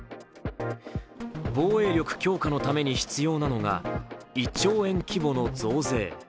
防衛力強化のために必要なのが１兆円規模の増税。